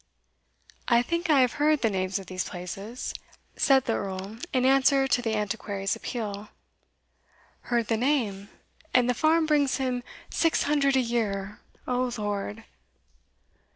"I think I have heard the names of these places," said the Earl, in answer to the Antiquary's appeal. "Heard the name? and the farm brings him six hundred a year O Lord!"